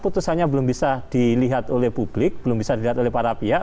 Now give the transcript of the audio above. putusannya belum bisa dilihat oleh publik belum bisa dilihat oleh para pihak